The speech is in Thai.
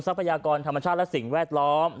พยากรธรรมชาติและสิ่งแวดล้อม